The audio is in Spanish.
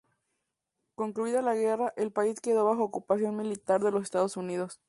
Concluida la guerra, el país quedó bajo ocupación militar de los Estados Unidos.